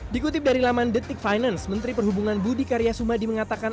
dikutip dari laman detik finance menteri perhubungan budi karya sumadi mengatakan